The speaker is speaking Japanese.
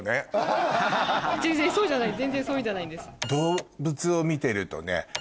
全然そういうのじゃないです。